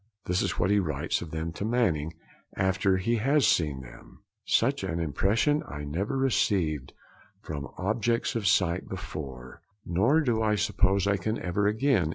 This is what he writes of them to Manning, after he has seen them: 'Such an impression I never received from objects of sight before, nor do I suppose I can ever again....